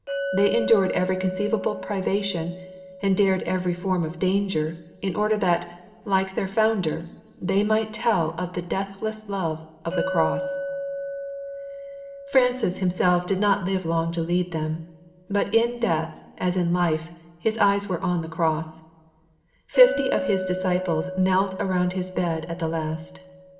They endured every conceivable privation and dared every form of danger in order that, like their founder, they might tell of the deathless love of the Cross. Francis himself did not live long to lead them; but in death as in life his eyes were on the Cross. Fifty of his disciples knelt around his bed at the last.